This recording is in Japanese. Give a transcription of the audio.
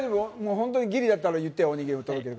本当にギリだったらいってよおにぎりとか。